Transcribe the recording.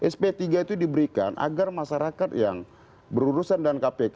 sp tiga itu diberikan agar masyarakat yang berurusan dengan kpk